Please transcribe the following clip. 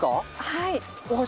はい。